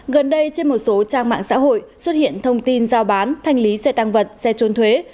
gần đây trên một số trang mạng xã hội xuất hiện thông tin giao bán thanh lý xe tăng vật xe trôn thuế